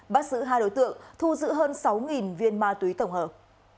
bác sứ hai đối tượng thu giữ hơn sáu viên ma túy tổng hợp